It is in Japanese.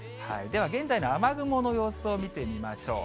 では現在の雨雲の様子を見てみましょう。